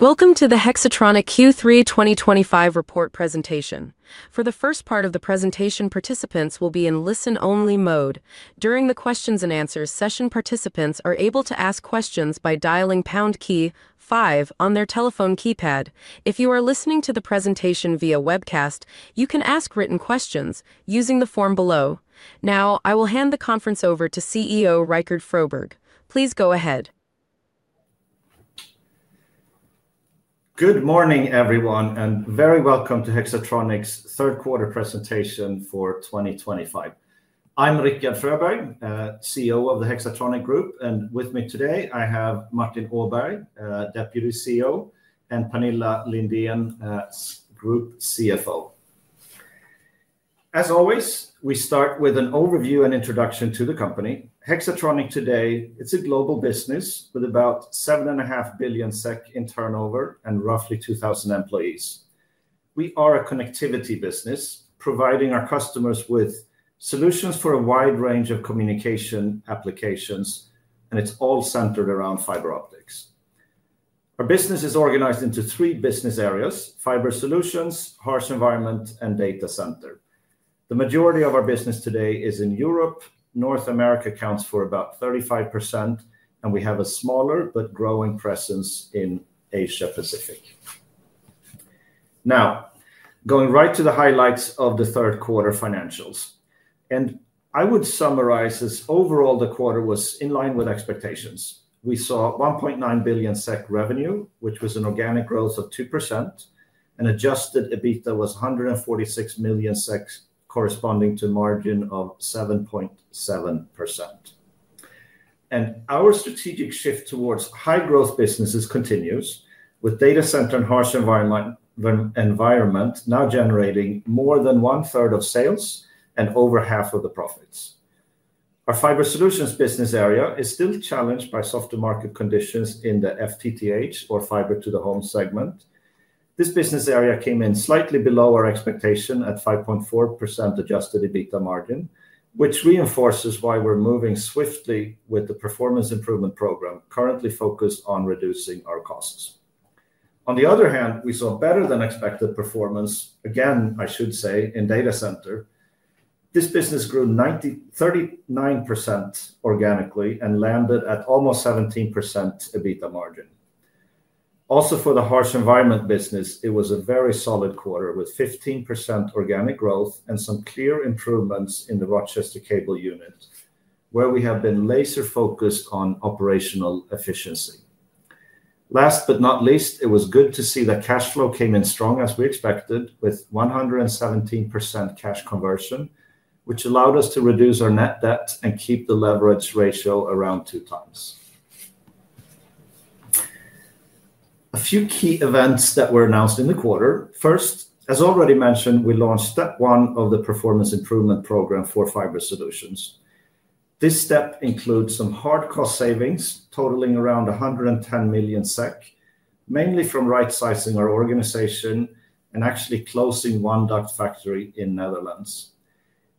Welcome to the Hexatronic Q3 2025 report presentation. For the first part of the presentation, participants will be in listen-only mode. During the questions and answers session, participants are able to ask questions by dialing the pound key five on their telephone keypad. If you are listening to the presentation via webcast, you can ask written questions using the form below. Now, I will hand the conference over to CEO Rikard Fröberg. Please go ahead. Good morning, everyone, and very welcome to Hexatronic's third quarter presentation for 2025. I'm Rikard Fröberg, CEO of Hexatronic Group, and with me today, I have Martin Åberg, Deputy CEO, and Pernilla Lindén, Group CFO. As always, we start with an overview and introduction to the company. Hexatronic today, it's a global business with about 7.5 billion SEK in turnover and roughly 2,000 employees. We are a connectivity business, providing our customers with solutions for a wide range of communication applications, and it's all centered around fiber optics. Our business is organized into three business areas: fiber solutions, harsh environment solutions, and data center solutions. The majority of our business today is in Europe. North America accounts for about 35%, and we have a smaller but growing presence in Asia-Pacific. Now, going right to the highlights of the third quarter financials. I would summarize this. Overall, the quarter was in line with expectations. We saw 1.9 billion SEK revenue, which was an organic growth of 2%, and adjusted EBITDA was 146 million SEK, corresponding to a margin of 7.7%. Our strategic shift towards high-growth businesses continues, with data center solutions and harsh environment solutions now generating more than one-third of sales and over half of the profits. Our fiber solutions business area is still challenged by softer market conditions in the FTTH or fiber-to-the-home segment. This business area came in slightly below our expectation at 5.4% adjusted EBITDA margin, which reinforces why we're moving swiftly with the performance improvement program, currently focused on reducing our costs. On the other hand, we saw better-than-expected performance, again, I should say, in data center solutions. This business grew 39% organically and landed at almost 17% EBITDA margin. Also, for the harsh environment solutions business, it was a very solid quarter with 15% organic growth and some clear improvements in the Rochester Cable unit, where we have been laser-focused on operational efficiency. Last but not least, it was good to see that cash flow came in strong as we expected, with 117% cash conversion, which allowed us to reduce our net debt and keep the leverage ratio around 2x. A few key events that were announced in the quarter. First, as already mentioned, we launched step one of the performance improvement program for fiber solutions. This step includes some hard cost savings, totaling around 110 million SEK, mainly from right-sizing our organization and actually closing one duct factory in the Netherlands.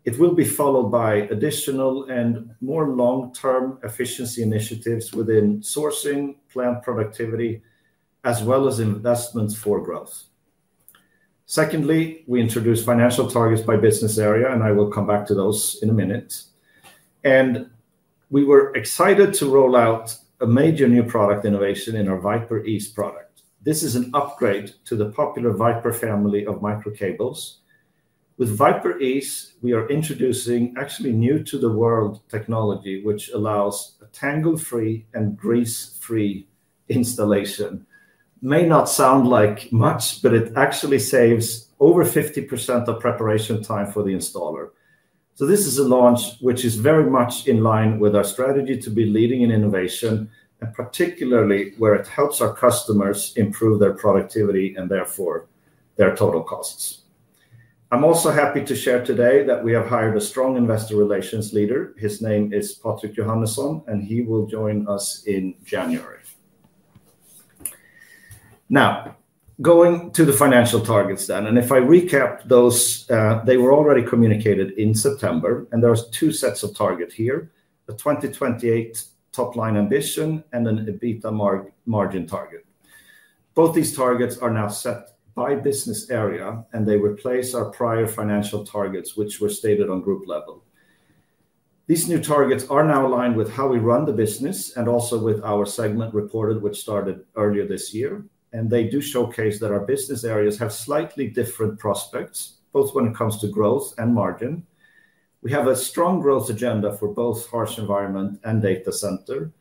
It will be followed by additional and more long-term efficiency initiatives within sourcing, plant productivity, as well as investments for growth. Secondly, we introduced financial targets by business area, and I will come back to those in a minute. We were excited to roll out a major new product innovation in our Viper Ease micro cable product. This is an upgrade to the popular Viper family of micro cables. With Viper Ease, we are introducing actually new-to-the-world technology, which allows a tangle-free and grease-free installation. It may not sound like much, but it actually saves over 50% of preparation time for the installer. This is a launch which is very much in line with our strategy to be leading in innovation, particularly where it helps our customers improve their productivity and, therefore, their total costs. I'm also happy to share today that we have hired a strong Investor Relations leader. His name is Patrik Johannesson, and he will join us in January. Now, going to the financial targets then. If I recap those, they were already communicated in September, and there are two sets of targets here: a 2028 top-line ambition and an EBITDA margin target. Both these targets are now set by business area, and they replace our prior financial targets, which were stated on group level. These new targets are now aligned with how we run the business and also with our segment reported, which started earlier this year, and they do showcase that our business areas have slightly different prospects, both when it comes to growth and margin. We have a strong growth agenda for both Harsh Environment Solutions and Data Center Solutions,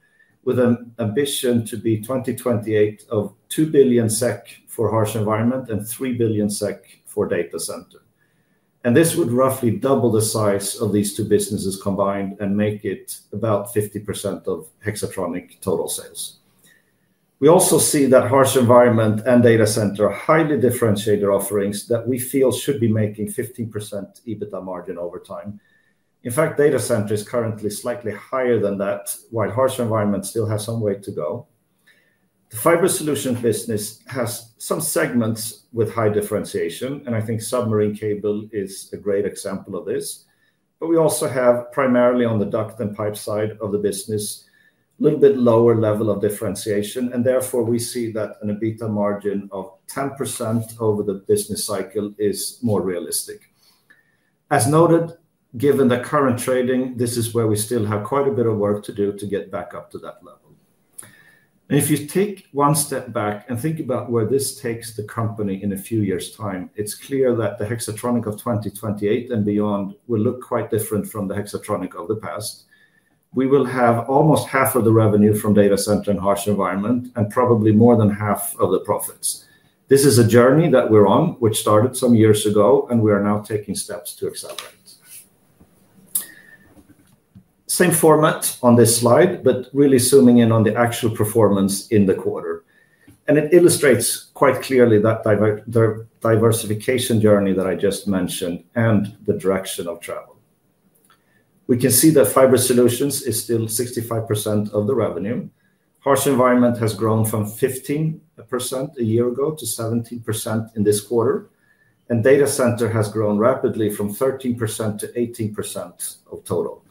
with an ambition to be in 2028 of 2 billion SEK for harsh environment solutions and 3 billion SEK for data center solutions. This would roughly double the size of these two businesses combined and make it about 50% of Hexatronic total sales. We also see that Harsh Environment Solutions and Data Center Solutions are highly differentiated offerings that we feel should be making 15% EBITDA margin over time. In fact, Data Center Solutions is currently slightly higher than that, while Harsh Environment Solutions still has some way to go. The Fiber Solutions business has some segments with high differentiation, and I think submarine cable is a great example of this. We also have primarily on the duct and pipe side of the business a little bit lower level of differentiation, and therefore we see that an EBITDA margin of 10% over the business cycle is more realistic. As noted, given the current trading, this is where we still have quite a bit of work to do to get back up to that level. If you take one step back and think about where this takes the company in a few years' time, it's clear that the Hexatronic of 2028 and beyond will look quite different from the Hexatronic of the past. We will have almost half of the revenue from Data Center and Harsh Environment and probably more than half of the profits. This is a journey that we're on, which started some years ago, and we are now taking steps to accelerate. Same format on this slide, but really zooming in on the actual performance in the quarter. It illustrates quite clearly that diversification journey that I just mentioned and the direction of travel. We can see that Fiber Solutions is still 65% of the revenue. Harsh Environment has grown from 15% a year ago to 17% in this quarter, and data center has grown rapidly from 13% to 18% of total.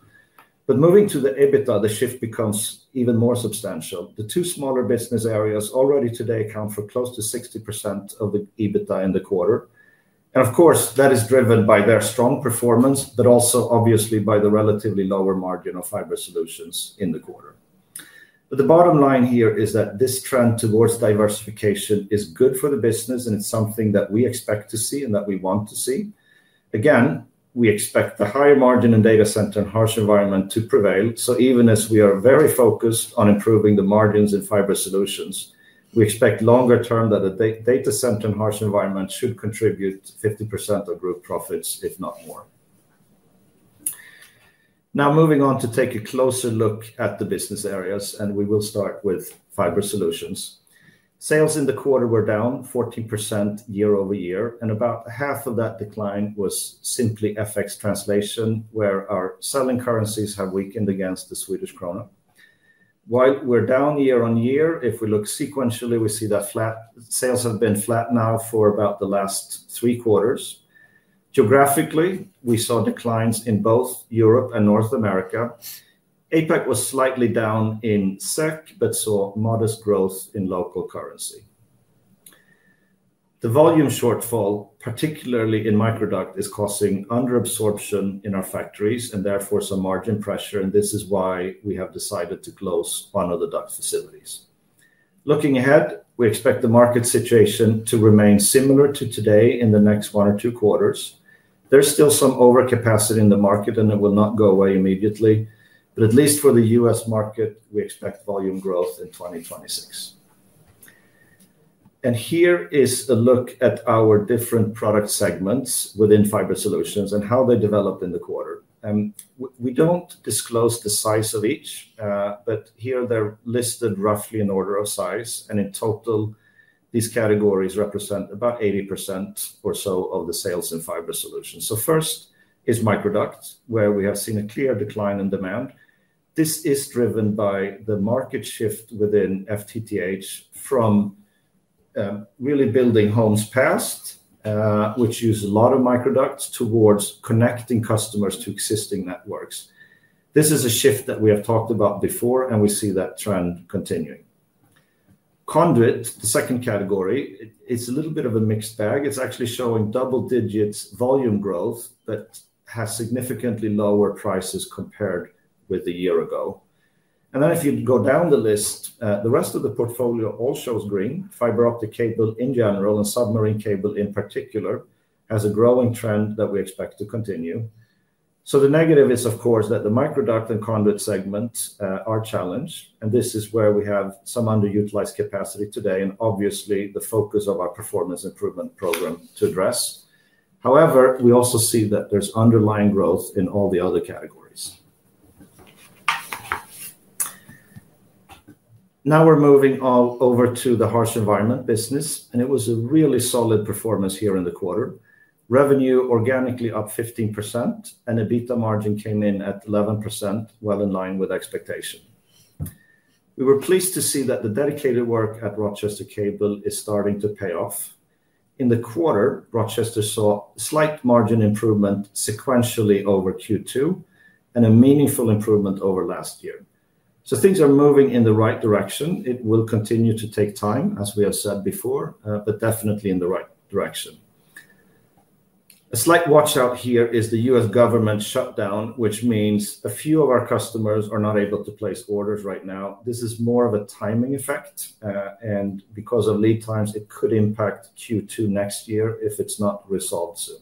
Moving to the EBITDA, the shift becomes even more substantial. The two smaller business areas already today account for close to 60% of the EBITDA in the quarter. Of course, that is driven by their strong performance, but also obviously by the relatively lower margin of fiber solutions in the quarter. The bottom line here is that this trend towards diversification is good for the business, and it's something that we expect to see and that we want to see. We expect the higher margin in Data Center and Harsh Environment to prevail. Even as we are very focused on improving the margins in fiber solutions, we expect longer term that the Data Center and Harsh Environment should contribute 50% of group profits, if not more. Now moving on to take a closer look at the business areas, and we will start with fiber solutions. Sales in the quarter were down 40% year-over-year, and about half of that decline was simply FX translation, where our selling currencies have weakened against the Swedish krona. While we're down year-on-year, if we look sequentially, we see that sales have been flat now for about the last three quarters. Geographically, we saw declines in both Europe and North America. APEC was slightly down in SEK, but saw modest growth in local currency. The volume shortfall, particularly in micro duct, is causing underabsorption in our factories and therefore some margin pressure. This is why we have decided to close one of the duct facilities. Looking ahead, we expect the market situation to remain similar to today in the next one or two quarters. There's still some overcapacity in the market, and it will not go away immediately. At least for the U.S. market, we expect volume growth in 2026. Here is a look at our different product segments within Fiber Solutions and how they developed in the quarter. We don't disclose the size of each, but here they're listed roughly in order of size, and in total, these categories represent about 80% or so of the sales in Fiber Solutions. First is micro duct, where we have seen a clear decline in demand. This is driven by the market shift within FTTH from really building homes past, which use a lot of micro ducts, towards connecting customers to existing networks. This is a shift that we have talked about before, and we see that trend continuing. Conduit, the second category, is a little bit of a mixed bag. It's actually showing double-digit volume growth, but has significantly lower prices compared with a year ago. If you go down the list, the rest of the portfolio all shows green. Fiber optic cable in general and submarine cable in particular has a growing trend that we expect to continue. The negative is, of course, that the micro duct and conduit segment are challenged, and this is where we have some underutilized capacity today and obviously the focus of our performance improvement program to address. However, we also see that there's underlying growth in all the other categories. Now we're moving over to the harsh environment business, and it was a really solid performance here in the quarter. Revenue organically up 15%, and EBITDA margin came in at 11%, well in line with expectation. We were pleased to see that the dedicated work at Rochester Cable is starting to pay off. In the quarter, Rochester saw slight margin improvement sequentially over Q2 and a meaningful improvement over last year. Things are moving in the right direction. It will continue to take time, as we have said before, but definitely in the right direction. A slight watch out here is the U.S. government shutdown, which means a few of our customers are not able to place orders right now. This is more of a timing effect, and because of lead times, it could impact Q2 next year if it's not resolved soon.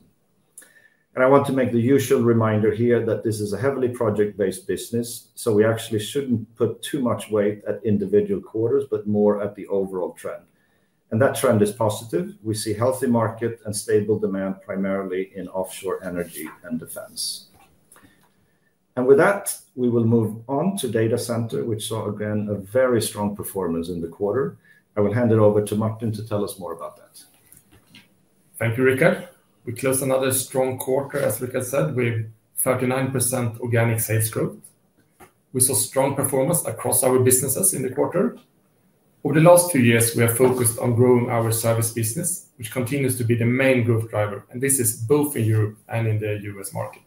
I want to make the usual reminder here that this is a heavily project-based business, so we actually shouldn't put too much weight at individual quarters, but more at the overall trend. That trend is positive. We see a healthy market and stable demand primarily in offshore energy and defense. With that, we will move on to data center, which saw again a very strong performance in the quarter. I will hand it over to Martin to tell us more about that. Thank you, Rikard. We closed another strong quarter, as Rikard said, with 39% organic sales growth. We saw strong performance across our businesses in the quarter. Over the last two years, we have focused on growing our service business, which continues to be the main growth driver, and this is both in Europe and in the U.S. market.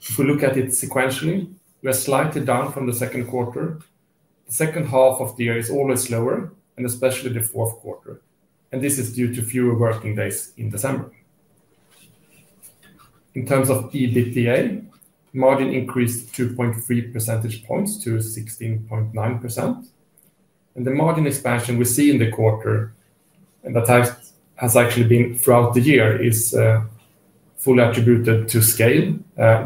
If we look at it sequentially, we are slightly down from the second quarter. The second half of the year is always slower, especially the fourth quarter, and this is due to fewer working days in December. In terms of EBITDA, the margin increased 2.3 percentage points to 16.9%, and the margin expansion we see in the quarter, and that has actually been throughout the year, is fully attributed to scale,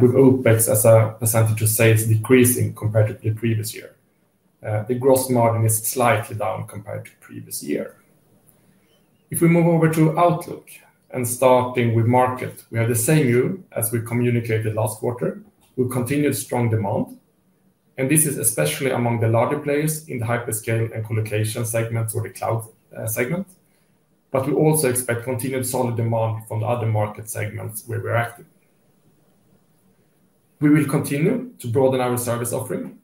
with OpEx as a percentage of sales decreasing compared to the previous year. The gross margin is slightly down compared to the previous year. If we move over to outlook and starting with market, we have the same view as we communicated last quarter. We will continue strong demand, and this is especially among the larger players in the hyperscale and colocation segments or the cloud segment, but we also expect continued solid demand from the other market segments where we're active. We will continue to broaden our service offering.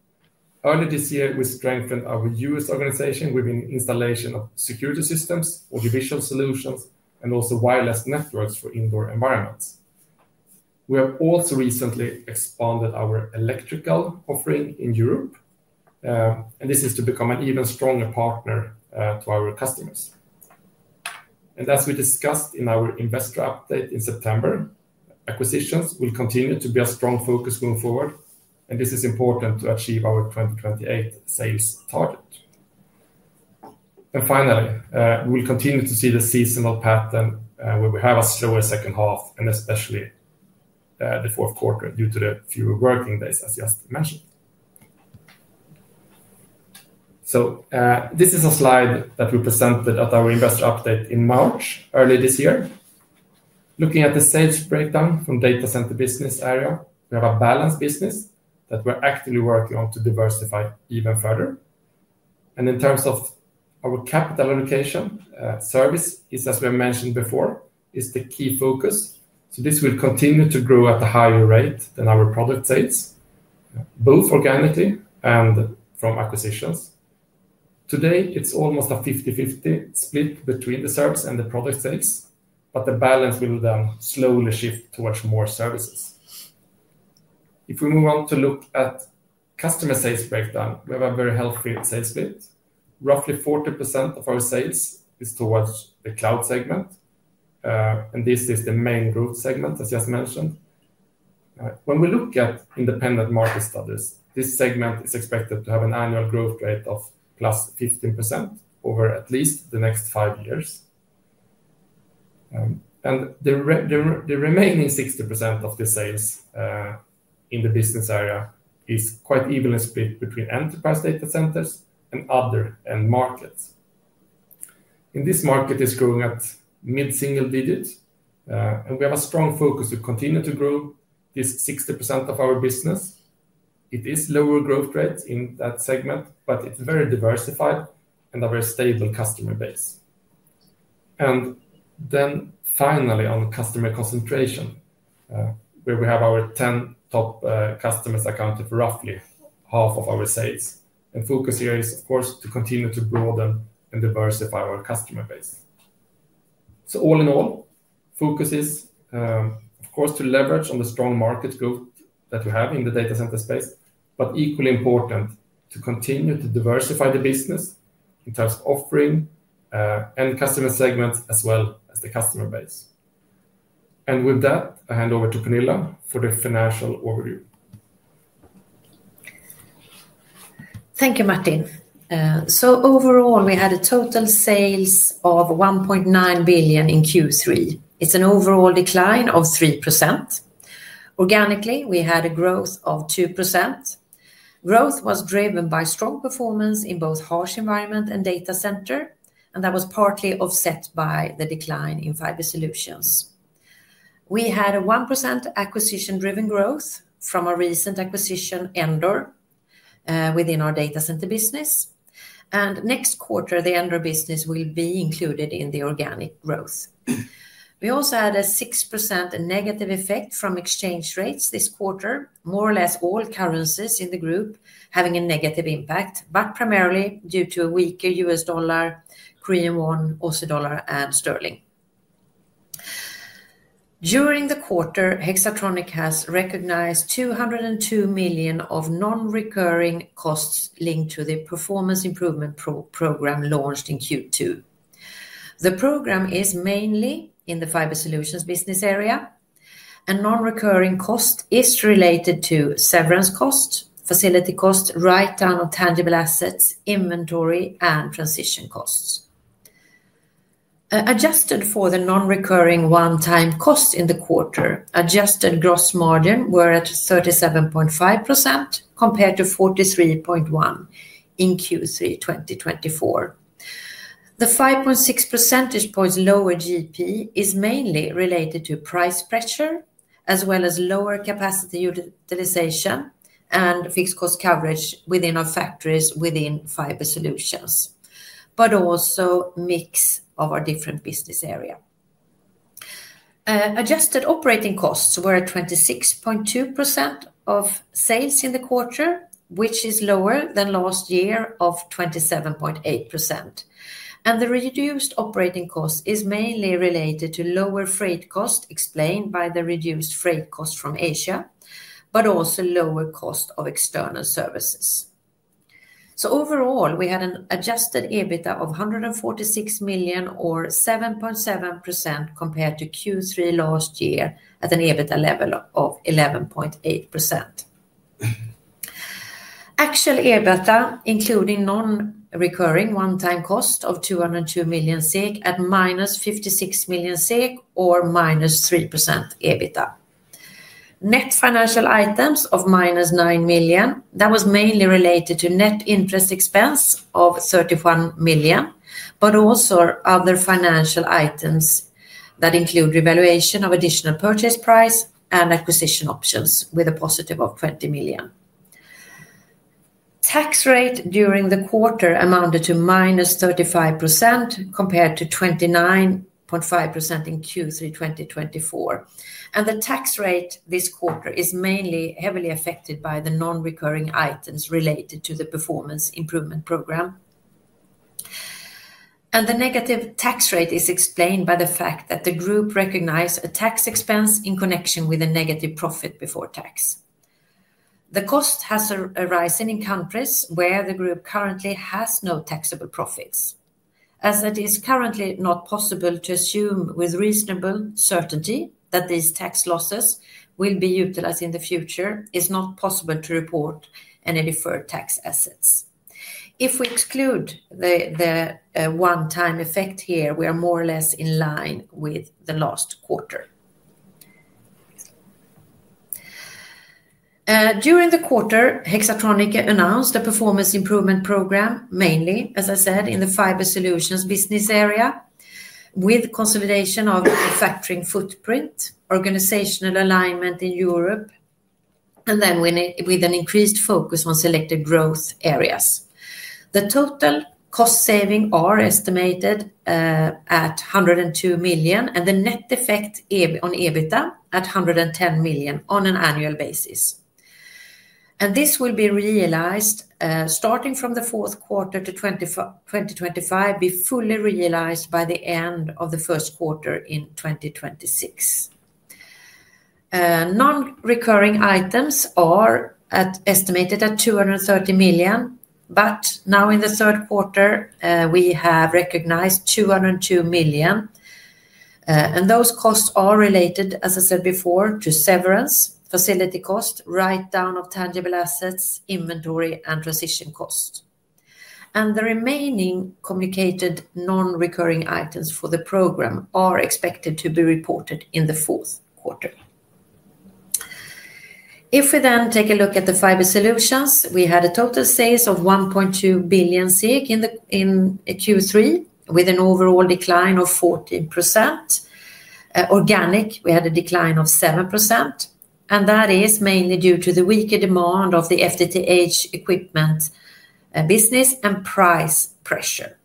Earlier this year, we strengthened our U.S. organization within the installation of security systems, audio visual solutions, and also wireless networks for indoor environments. We have also recently expanded our electrical offering in Europe, and this is to become an even stronger partner to our customers. As we discussed in our investor update in September, acquisitions will continue to be a strong focus moving forward, and this is important to achieve our 2028 sales target. We will continue to see the seasonal pattern where we have a slower second half and especially the fourth quarter due to the fewer working days, as just mentioned. This is a slide that we presented at our investor update in March earlier this year. Looking at the sales breakdown from data center business area, we have a balanced business that we're actively working on to diversify even further. In terms of our capital allocation, service, as we mentioned before, is the key focus. This will continue to grow at a higher rate than our product sales, both organically and from acquisitions. Today, it's almost a 50/50 split between the service and the product sales, but the balance will then slowly shift towards more services. If we move on to look at customer sales breakdown, we have a very healthy sales split. Roughly 40% of our sales is towards the cloud segment, and this is the main growth segment, as just mentioned. When we look at independent market studies, this segment is expected to have an annual growth rate of +15% over at least the next five years. The remaining 60% of the sales in the business area is quite evenly split between enterprise data centers and other end markets. This market is growing at mid-single digits, and we have a strong focus to continue to grow this 60% of our business. It is a lower growth rate in that segment, but it's very diversified and a very stable customer base. Finally, on customer concentration, our 10 top customers accounted for roughly half of our sales. The focus here is, of course, to continue to broaden and diversify our customer base. All in all, the focus is, of course, to leverage on the strong market growth that we have in the data center space, but equally important to continue to diversify the business in terms of offering and customer segments as well as the customer base. With that, I hand over to Pernilla for the financial overview. Thank you, Martin. Overall, we had a total sales of 1.9 billion in Q3. It's an overall decline of 3%. Organically, we had a growth of 2%. Growth was driven by strong performance in both Harsh Environment and Data Center, and that was partly offset by the decline in Fiber Solutions. We had a 1% acquisition-driven growth from a recent acquisition, Endor, within our Data Center business. Next quarter, the Endor business will be included in the organic growth. We also had a 6% negative effect from exchange rates this quarter, more or less all currencies in the group having a negative impact, primarily due to a weaker U.S. dollar, Korean won, Aussie dollar, and sterling. During the quarter, Hexatronic has recognized 202 million of non-recurring costs linked to the performance improvement program launched in Q2. The program is mainly in the Fiber Solutions business area, and non-recurring cost is related to severance costs, facility costs, write-down on tangible assets, inventory, and transition costs. Adjusted for the non-recurring one-time cost in the quarter, adjusted gross margin was at 37.5% compared to 43.1% in Q3 2024. The 5.6 percentage points lower gross profit is mainly related to price pressure, as well as lower capacity utilization and fixed cost coverage within our factories within fiber solutions, but also a mix of our different business areas. Adjusted operating costs were at 26.2% of sales in the quarter, which is lower than last year at 27.8%. The reduced operating cost is mainly related to lower freight costs explained by the reduced freight costs from Asia, but also lower cost of external services. Overall, we had an adjusted EBITDA of 146 million or 7.7% compared to Q3 last year at an EBITDA level of 11.8%. Actual EBITDA, including non-recurring one-time cost of 202 million SEK, was -56 million SEK or -3% EBITDA. Net financial items of -9 million was mainly related to net interest expense of 31 million, but also other financial items that include revaluation of additional purchase price and acquisition options with a positive of 20 million. Tax rate during the quarter amounted to -35% compared to 29.5% in Q3 2024. The tax rate this quarter is mainly heavily affected by the non-recurring items related to the performance improvement program. The negative tax rate is explained by the fact that the group recognized a tax expense in connection with a negative profit before tax. The cost has a rise in countries where the group currently has no taxable profits. As it is currently not possible to assume with reasonable certainty that these tax losses will be utilized in the future, it is not possible to report any deferred tax assets. If we exclude the one-time effect here, we are more or less in line with the last quarter. During the quarter, Hexatronic announced the performance improvement program mainly, as I said, in the fiber solutions business area, with consolidation of the manufacturing footprint, organizational alignment in Europe, and then with an increased focus on selected growth areas. The total cost savings are estimated at 102 million, and the net effect on EBITDA at 110 million on an annual basis. This will be realized starting from the fourth quarter of 2025, and be fully realized by the end of the first quarter in 2026. Non-recurring items are estimated at 230 million, but now in the third quarter, we have recognized 202 million. Those costs are related, as I said before, to severance, facility costs, write-down of tangible assets, inventory, and transition costs. The remaining communicated non-recurring items for the program are expected to be reported in the fourth quarter. If we then take a look at the Fiber Solutions, we had a total sales of 1.2 billion in Q3, with an overall decline of 14%. Organic, we had a decline of 7%, and that is mainly due to the weaker demand of the FTTH equipment business and price pressure.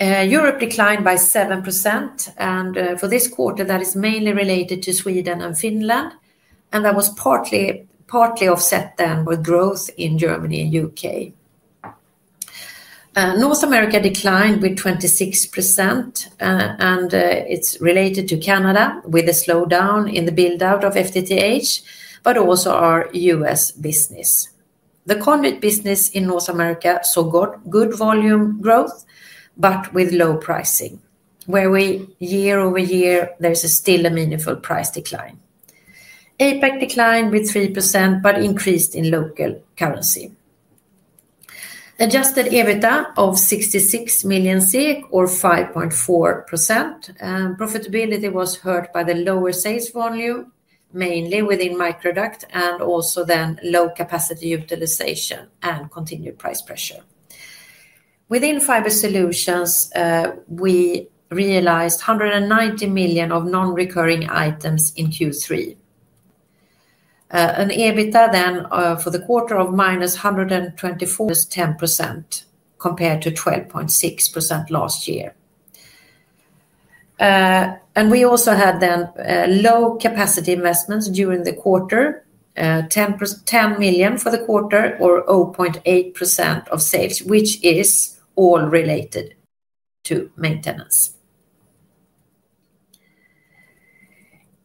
Europe declined by 7%, and for this quarter, that is mainly related to Sweden and Finland, and that was partly offset then with growth in Germany and UK. North America declined with 26%, and it's related to Canada with a slowdown in the build-out of FTTH, but also our U.S. business. The conduit business in North America saw good volume growth, but with low pricing, where year over year, there's still a meaningful price decline. APEC declined with 3%, but increased in local currency. Adjusted EBITDA of 66 million or 5.4%. Profitability was hurt by the lower sales volume, mainly within micro duct and also then low capacity utilization and continued price pressure. Within fiber solutions, we realized 190 million of non-recurring items in Q3. EBITDA then for the quarter of -124 million, -10% compared to 12.6% last year. We also had then low capacity investments during the quarter, 10 million for the quarter or 0.8% of sales, which is all related to maintenance.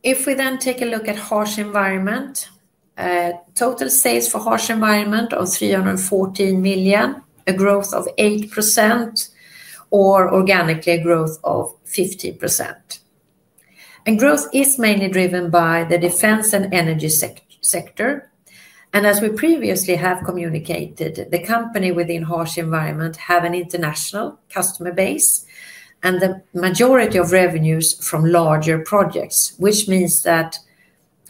If we then take a look at harsh environment, total sales for harsh environment of 314 million, a growth of 8% or organically a growth of 50%. Growth is mainly driven by the defense and energy sector. As we previously have communicated, the company within harsh environment has an international customer base, and the majority of revenues from larger projects, which means that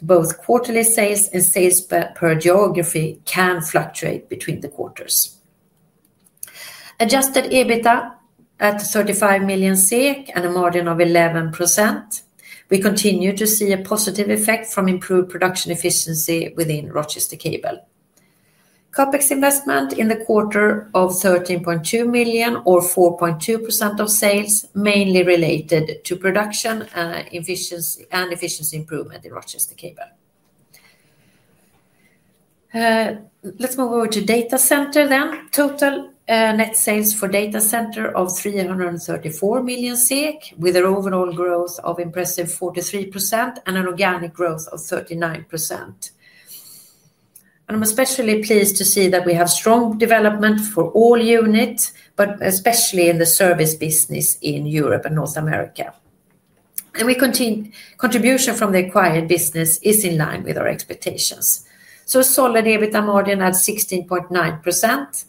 both quarterly sales and sales per geography can fluctuate between the quarters. Adjusted EBITDA at 35 million SEK and a margin of 11%. We continue to see a positive effect from improved production efficiency within Rochester Cable. CapEx investment in the quarter of 13.2 million or 4.2% of sales, mainly related to production and efficiency improvement in Rochester Cable. Let's move over to data center then. Total net sales for data center of 334 million SEK, with an overall growth of impressive 43% and an organic growth of 39%. I'm especially pleased to see that we have strong development for all units, especially in the service business in Europe and North America. The contribution from the acquired business is in line with our expectations. A solid EBITDA margin at 16.9%,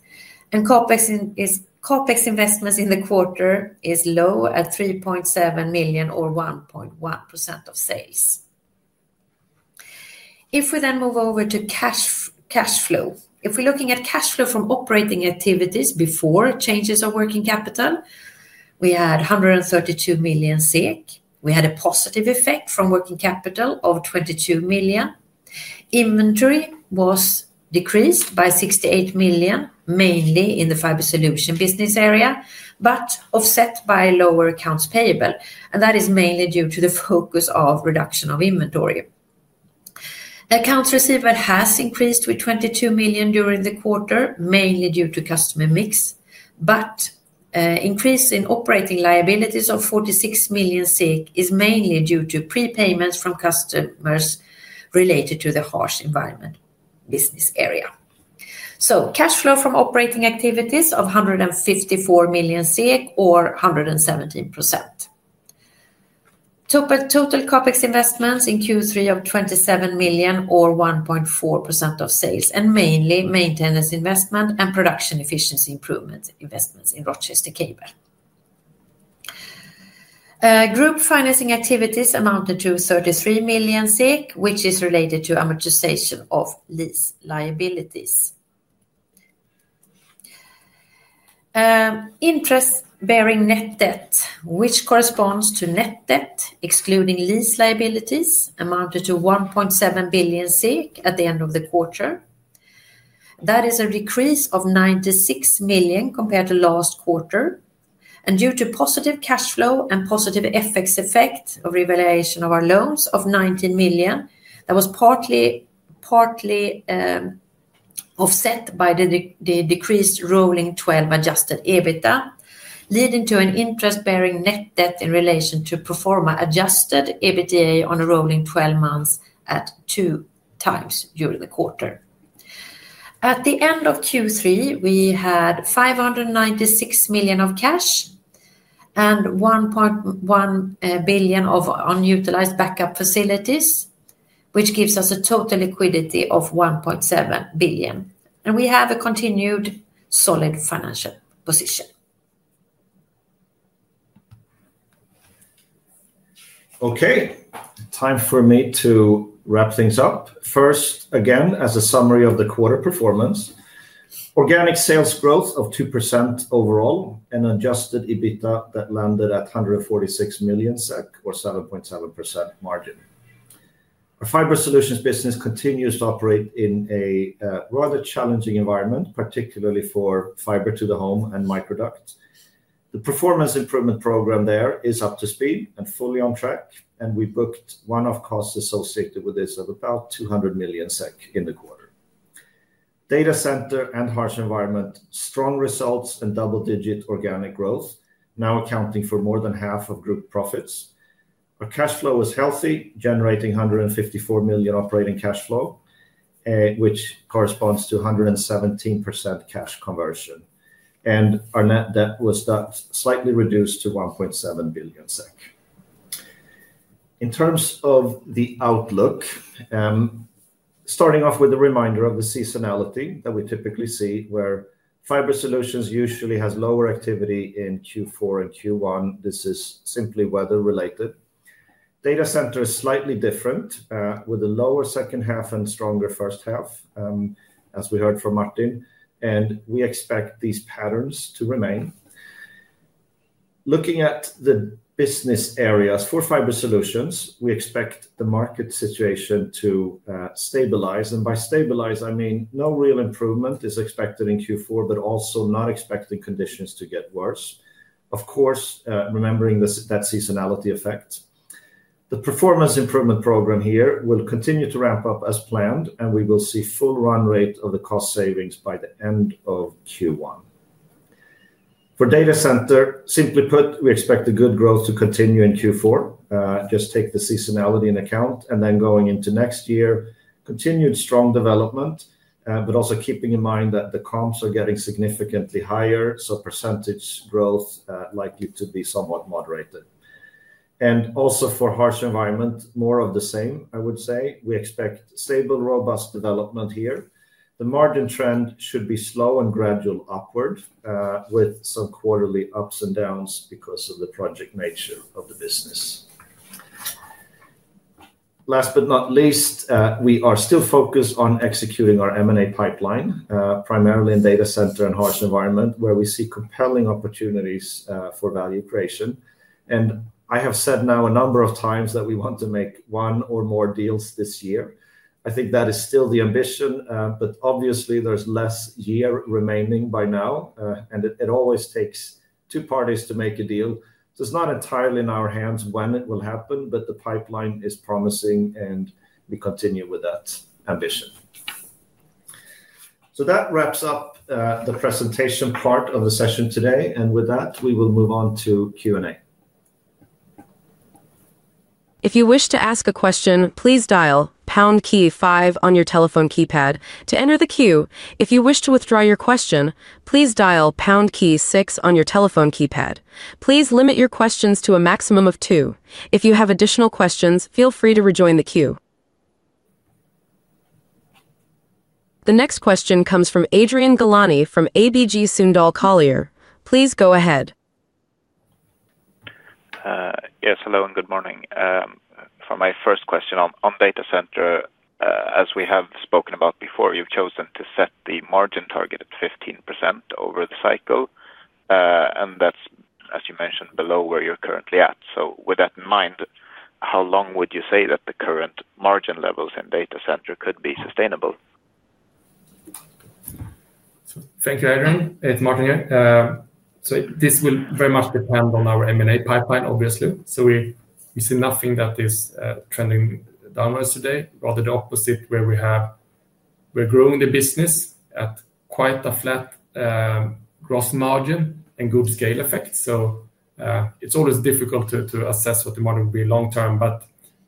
and CapEx investments in the quarter are low at 3.7 million or 1.1% of sales. If we then move over to cash flow, if we're looking at cash flow from operating activities before changes of working capital, we had 132 million. We had a positive effect from working capital of 22 million. Inventory was decreased by 68 million, mainly in the Fiber Solutions business area, but offset by lower accounts payable. That is mainly due to the focus of reduction of inventory. Accounts receivable has increased with 22 million during the quarter, mainly due to customer mix, but an increase in operating liabilities of 46 million is mainly due to prepayments from customers related to the harsh environment business area. Cash flow from operating activities of 154 million or 117%. Total CapEx investments in Q3 of 27 million or 1.4% of sales, and mainly maintenance investment and production efficiency improvement investments in Rochester Cable. Group financing activities amounted to 33 million, which is related to amortization of lease liabilities. Interest-bearing net debt, which corresponds to net debt excluding lease liabilities, amounted to 1.7 billion SEK at the end of the quarter. That is a decrease of 96 million compared to last quarter. Due to positive cash flow and positive FX effect of revaluation of our loans of 19 million, that was partly offset by the decreased rolling 12 adjusted EBITDA leading to an interest-bearing net debt in relation to pro forma-adjusted EBITDA on a rolling 12 months at 2x during the quarter. At the end of Q3, we had 596 million of cash and 1.1 billion of unutilized backup facilities, which gives us a total liquidity of 1.7 billion. We have a continued solid financial position. Okay, time for me to wrap things up. First, again, as a summary of the quarter performance, organic sales growth of 2% overall and an adjusted EBITDA that landed at 146 million SEK or 7.7% margin. Our Fiber Solutions business continues to operate in a rather challenging environment, particularly for fiber-to-the-home and micro duct. The performance improvement program there is up to speed and fully on track, and we booked one-off costs associated with this of about 200 million SEK in the quarter. Data Center and Harsh Environment, strong results and double-digit organic growth now accounting for more than half of group profits. Our cash flow is healthy, generating 154 million operating cash flow, which corresponds to 117% cash conversion. Our net debt was slightly reduced to 1.7 billion SEK. In terms of the outlook, starting off with a reminder of the seasonality that we typically see, where fiber solutions usually have lower activity in Q4 and Q1, this is simply weather-related. Data Center is slightly different with a lower second half and stronger first half, as we heard from Martin, and we expect these patterns to remain. Looking at the business areas for Fiber Solutions, we expect the market situation to stabilize, and by stabilize, I mean no real improvement is expected in Q4, but also not expecting conditions to get worse. Of course, remembering that seasonality effect. The performance improvement program here will continue to ramp up as planned, and we will see full run rate of the cost savings by the end of Q1. For Data Center, simply put, we expect a good growth to continue in Q4. Just take the seasonality in account, and then going into next year, continued strong development, but also keeping in mind that the comps are getting significantly higher, so percentage growth is likely to be somewhat moderated. Also for harsh environment, more of the same, I would say. We expect stable, robust development here. The margin trend should be slow and gradual upward, with some quarterly ups and downs because of the project nature of the business. Last but not least, we are still focused on executing our M&A pipeline, primarily in data center and harsh environment, where we see compelling opportunities for value creation. I have said now a number of times that we want to make one or more deals this year. I think that is still the ambition, but obviously there's less year remaining by now, and it always takes two parties to make a deal. It is not entirely in our hands when it will happen, but the pipeline is promising, and we continue with that ambition. That wraps up the presentation part of the session today, and with that, we will move on to Q&A. If you wish to ask a question, please dial pound key five on your telephone keypad to enter the queue. If you wish to withdraw your question, please dial pound key six on your telephone keypad. Please limit your questions to a maximum of two. If you have additional questions, feel free to rejoin the queue. The next question comes from Adrian Gilani from ABG Sundal Collier. Please go ahead. Yes, hello and good morning. For my first question on Data Center, as we have spoken about before, you've chosen to set the margin target at 15% over the cycle, and that's, as you mentioned, below where you're currently at. With that in mind, how long would you say that the current margin levels in Data Center could be sustainable? Thank you, Adrian. It's Martin here. This will very much depend on our M&A pipeline, obviously. We see nothing that is trending downwards today, rather the opposite, where we have grown the business at quite a flat gross margin and good scale effect. It's always difficult to assess what the margin will be long term, but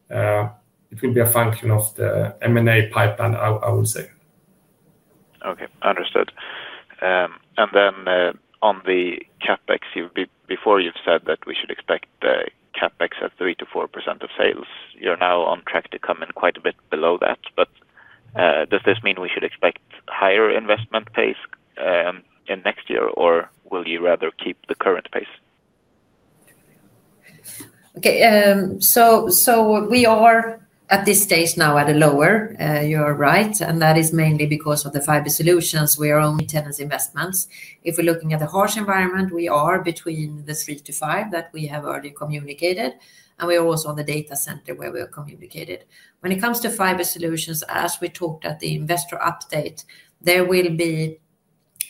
it will be a function of the M&A pipeline, I would say. Okay, understood. On the CapEx, before you've said that we should expect the CapEx at 3%-4% of sales, you're now on track to come in quite a bit below that. Does this mean we should expect higher investment pace in next year, or will you rather keep the current pace? Okay, so we are at this stage now at a lower, you're right, and that is mainly because of the Fiber Solutions. We are maintenance investments. If we're looking at the Harsh Environment, we are between the 3%-5% that we have already communicated, and we are also on the Data Center where we have communicated. When it comes to Fiber Solutions, as we talked at the investor update, there will be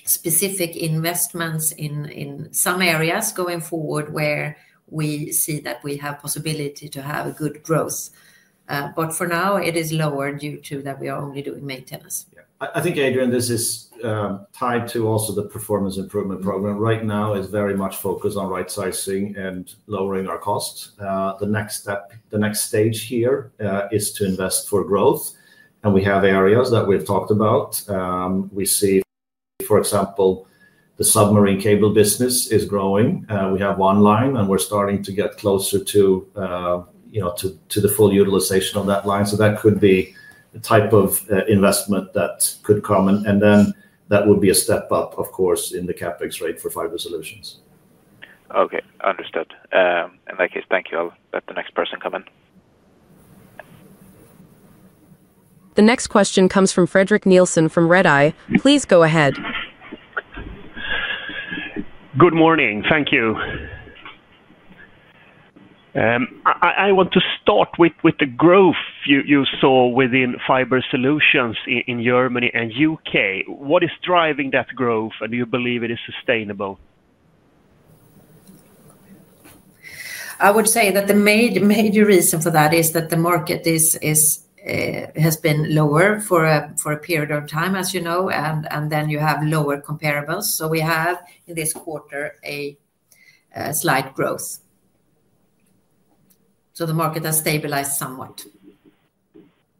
specific investments in some areas going forward where we see that we have a possibility to have a good growth. For now, it is lower due to that we are only doing maintenance. I think, Adrian, this is tied to also the performance improvement program. Right now, it's very much focused on right-sizing and lowering our costs. The next step, the next stage here is to invest for growth, and we have areas that we've talked about. We see, for example, the submarine cable business is growing. We have one line, and we're starting to get closer to the full utilization of that line. That could be a type of investment that could come, and that would be a step up, of course, in the CapEx rate for fiber solutions. Okay, understood. In that case, thank you. I'll let the next person come in. The next question comes from Fredrik Nilsson from Redeye. Please go ahead. Good morning, thank you. I want to start with the growth you saw within Fiber Solutions in Germany and UK. What is driving that growth, and do you believe it is sustainable? I would say that the major reason for that is that the market has been lower for a period of time, as you know, and you have lower comparables. We have in this quarter a slight growth, and the market has stabilized somewhat.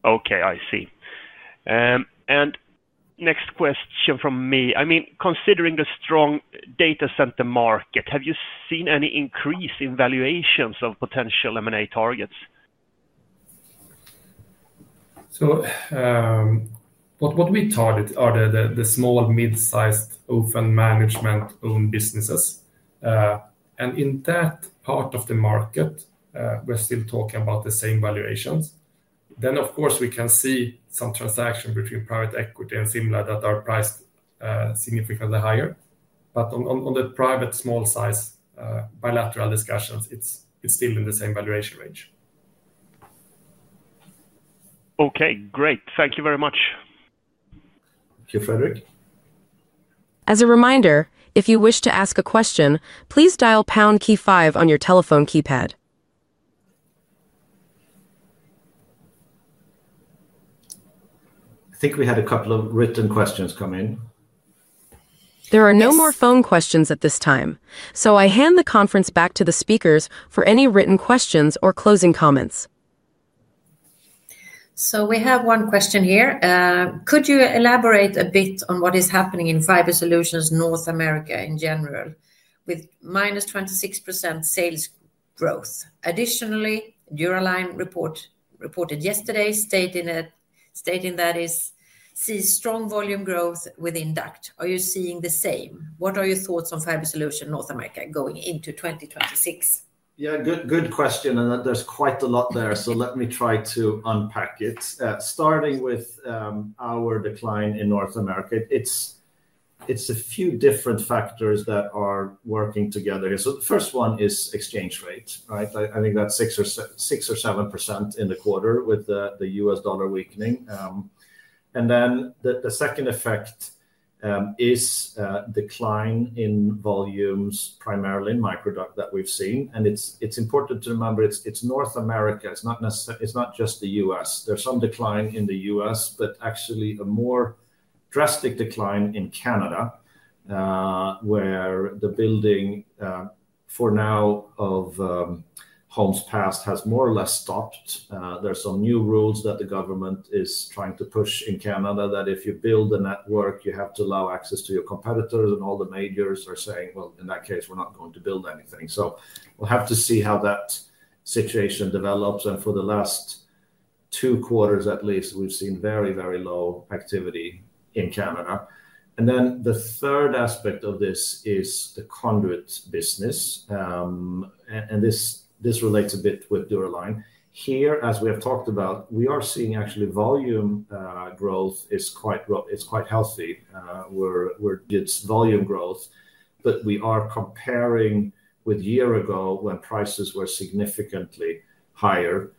Okay, I see. Next question from me. I mean, considering the strong data center market, have you seen any increase in valuations of potential M&A targets? We target the small, mid-sized, open management-owned businesses. In that part of the market, we're still talking about the same valuations. Of course, we can see some transactions between private equity and similar that are priced significantly higher. On the private small size bilateral discussions, it's still in the same valuation range. Okay, great. Thank you very much. Thank you, Fredrik. As a reminder, if you wish to ask a question, please dial the pound key five on your telephone keypad. I think we had a couple of written questions come in. There are no more phone questions at this time. I hand the conference back to the speakers for any written questions or closing comments. We have one question here. Could you elaborate a bit on what is happening in fiber solutions North America in general, with -26% sales growth? Additionally, Dura-Line reported yesterday stating that it sees strong volume growth within duct. Are you seeing the same? What are your thoughts on fiber solutions North America going into 2026? Good question, and there's quite a lot there, so let me try to unpack it. Starting with our decline in North America, it's a few different factors that are working together here. The first one is exchange rate, right? I think that's 6% or 7% in the quarter with the U.S. dollar weakening. The second effect is a decline in volumes, primarily in micro duct that we've seen. It's important to remember it's North America, it's not just the U.S. There's some decline in the U.S., but actually a more drastic decline in Canada, where the building for now of homes passed has more or less stopped. There are some new rules that the government is trying to push in Canada that if you build a network, you have to allow access to your competitors, and all the majors are saying, in that case, we're not going to build anything. We will have to see how that situation develops. For the last two quarters at least, we've seen very, very low activity in Canada. The third aspect of this is the conduit business, and this relates a bit with Dura-Line. As we have talked about, we are seeing actually volume growth is quite healthy. It's volume growth, but we are comparing with a year ago when prices were significantly higher.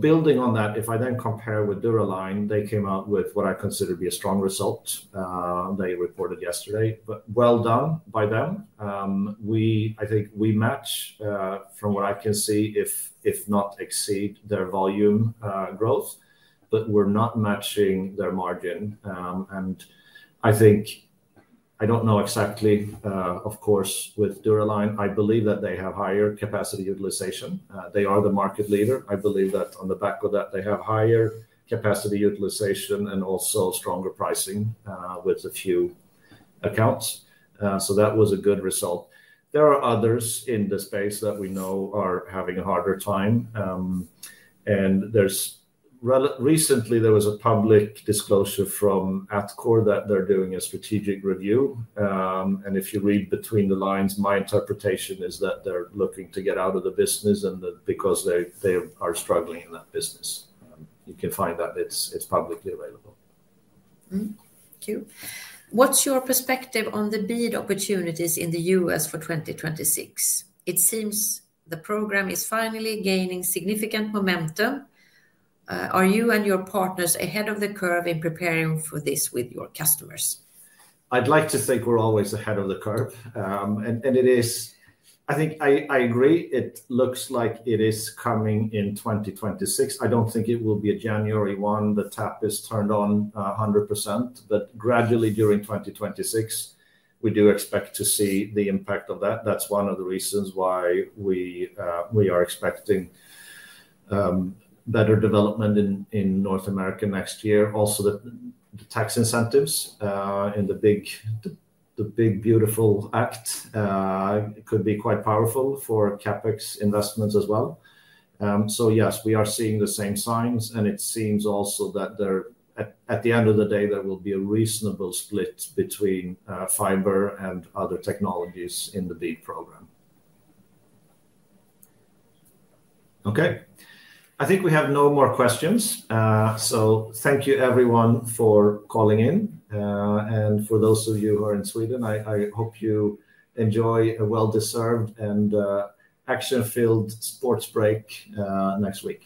Building on that, if I then compare with Dura-Line, they came out with what I consider to be a strong result they reported yesterday, but well done by them. I think we match, from what I can see, if not exceed their volume growth, but we're not matching their margin. I think, I don't know exactly, of course, with Dura-Line, I believe that they have higher capacity utilization. They are the market leader. I believe that on the back of that, they have higher capacity utilization and also stronger pricing with a few accounts. That was a good result. There are others in the space that we know are having a harder time. Recently, there was a public disclosure from Atcor that they're doing a strategic review. If you read between the lines, my interpretation is that they're looking to get out of the business because they are struggling in that business. You can find that it's publicly available. Thank you. What's your perspective on the bid opportunities in the U.S. for 2026? It seems the program is finally gaining significant momentum. Are you and your partners ahead of the curve in preparing for this with your customers? I'd like to think we're always ahead of the curve. I think I agree, it looks like it is coming in 2026. I don't think it will be a January 1 the tap is turned on 100%, but gradually during 2026, we do expect to see the impact of that. That's one of the reasons why we are expecting better development in North America next year. Also, the tax incentives in the big, beautiful act could be quite powerful for CapEx investments as well. Yes, we are seeing the same signs, and it seems also that at the end of the day, there will be a reasonable split between fiber and other technologies in the bid program. I think we have no more questions. Thank you, everyone, for calling in. For those of you who are in Sweden, I hope you enjoy a well-deserved and action-filled sports break next week.